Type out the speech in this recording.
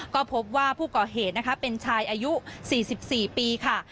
ก็พบว่าผู้ก่อเหตุนะคะเป็นชายอายุ๔๔ปีค่ะ